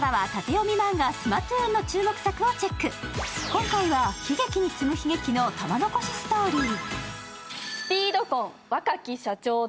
今回は悲劇に次ぐ悲劇の玉のこしストーリー。